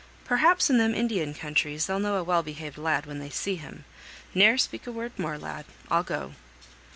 Perhaps in them Indian countries they'll know a well behaved lad when they see him; ne'er speak a word more, lad, I'll go."